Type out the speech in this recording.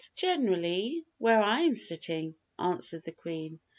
"Generally where I am sitting," answered the Queen.